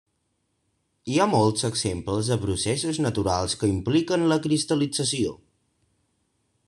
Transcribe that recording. Hi ha molts exemples de processos naturals que impliquen la cristal·lització.